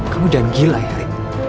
kamu jangan gila ya rit